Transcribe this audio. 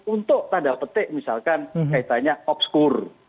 untuk tanda petik misalkan kaitannya obskur